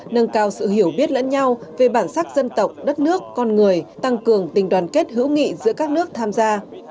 nâng cao sự hiểu biết lẫn nhau về bản sắc dân tộc đất nước con người tăng cường tình đoàn kết hữu nghị giữa các nước tham gia